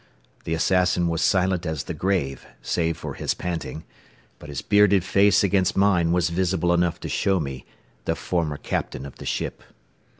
The assassin was silent as the grave, save for his panting, but his bearded face against mine was visible enough to show me the former captain of the ship.